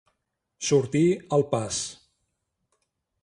Sortir al pas.